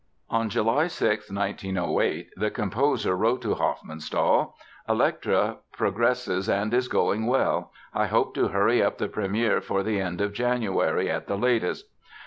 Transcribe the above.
On July 6, 1908, the composer wrote to Hofmannsthal: "Elektra progresses and is going well; I hope to hurry up the premiere for the end of January at the latest."